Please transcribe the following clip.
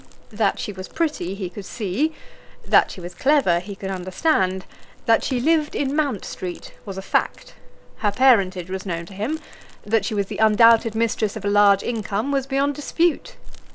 That she was pretty he could see; that she was clever he could understand; that she lived in Mount Street was a fact; her parentage was known to him; that she was the undoubted mistress of a large income was beyond dispute.